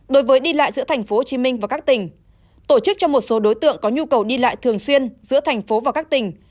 đối với đi lại giữa thành phố hồ chí minh và các tỉnh tổ chức cho một số đối tượng có nhu cầu đi lại thường xuyên giữa thành phố và các tỉnh